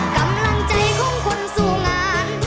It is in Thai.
กำลังใจของคนสู่งาน